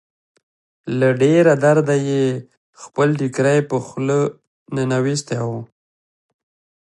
له ډېره درده يې خپل ټيکری په خوله ننوېستی و.